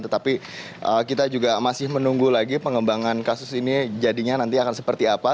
tetapi kita juga masih menunggu lagi pengembangan kasus ini jadinya nanti akan seperti apa